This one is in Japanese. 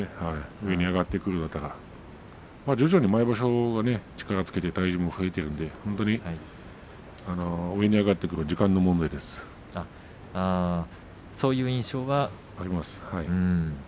上に上がっていくには徐々に毎場所、力をつけて体重も増えているので上に上がっていくのはそういう印象は。